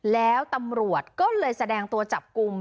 แล้วตำรวจก็เลยแสดงตัวจับกลุ่ม